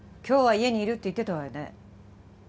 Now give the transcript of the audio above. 今日は家にいるって言ってたわよね？